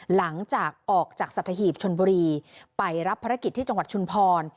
หลังจากออกจากสัตหีบชนบุรีไปรับภารกิจที่จังหวัดชุมพร